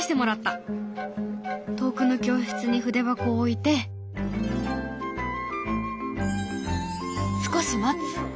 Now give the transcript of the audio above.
遠くの教室に筆箱を置いて少し待つ。